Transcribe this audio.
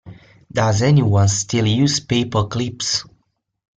Does anyone still use paper clips?